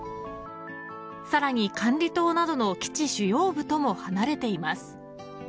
さらに管理棟などの基地主要部とも離れています。